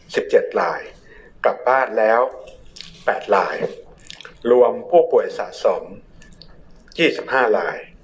สิบเจ็ดลายกลับบ้านแล้วแปดลายรวมผู้ป่วยสะสมยี่สิบห้าลาย